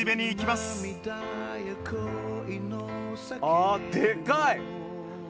ああでかい！